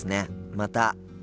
また。